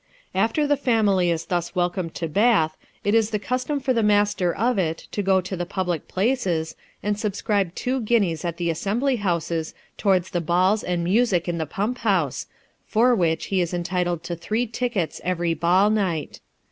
After the family is thus welcomed to Bath, it is the custom for the master of it to go to the puhlic places, and subscribe two guineas at the assembly houses towards the balls and music in the pump house, for which he is entitled to three tickets every ball night.